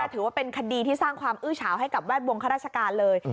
ถือว่าเป็นคดีที่สร้างความอื้อเฉาให้กับแวดวงข้าราชการเลย